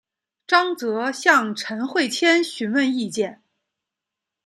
张则向陈惠谦询问意见。